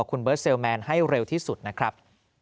คุณเบิร์ตเซลแมนให้เร็วที่สุดนะครับ